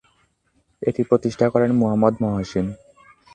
এটি প্রতিষ্ঠা করেন মুহম্মদ মহসীন।